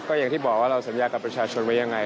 อย่างที่บอกว่าเราสัญญากับประชาชนไว้ยังไง